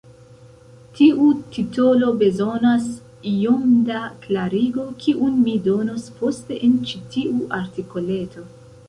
Tiu titolo bezonas iom da klarigo, kiun mi donos poste en ĉi tiu artikoleto.